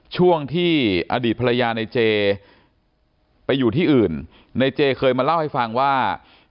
ช่วงที่อดีตภรรยาในเจไปอยู่ที่อื่นในเจเคยมาเล่าให้ฟังว่า